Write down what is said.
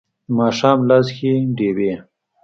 د ماښام لاس کې ډیوې